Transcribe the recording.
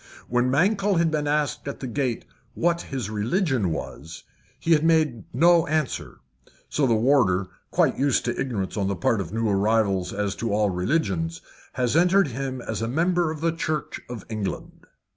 When Mankell had been asked at the gate what his religion was, he had made no answer; so the warder, quite used to ignorance on the part of new arrivals as to all religions, had entered him as a member of the Church of England.